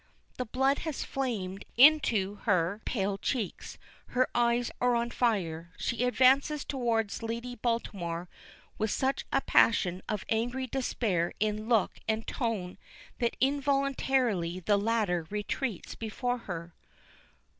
The blood has flamed into her pale cheeks, her eyes are on fire. She advances toward Lady Baltimore with such a passion of angry despair in look and tone, that involuntarily the latter retreats before her.